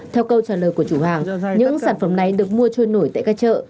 theo câu trả lời của chủ hàng những sản phẩm này được mua trôi nổi tại các chợ